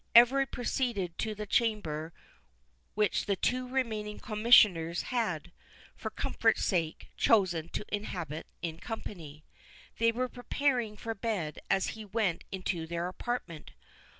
Everard proceeded to the chamber which the two remaining Commissioners had, for comfort's sake, chosen to inhabit in company. They were preparing for bed as he went into their apartment.